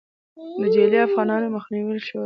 د جعلي افغانیو مخه نیول شوې؟